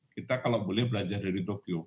kita kalau boleh belajar dari tokyo